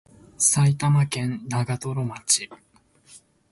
埼玉県長瀞町